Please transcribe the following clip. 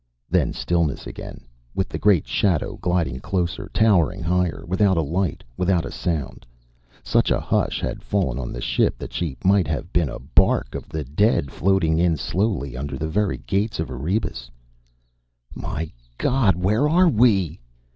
Then stillness again, with the great shadow gliding closer, towering higher, without a light, without a sound. Such a hush had fallen on the ship that she might have been a bark of the dead floating in slowly under the very gate of Erebus. "My God! Where are we?"